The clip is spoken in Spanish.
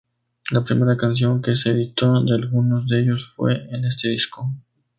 La primera canción que se editó de algunos de ellos fue en este disco.